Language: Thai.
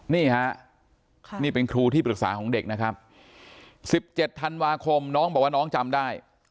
นี่ฮะนี่เป็นครูที่ปรึกษาของเด็กนะครับ๑๗ธันวาคมน้องบอกว่าน้องจำได้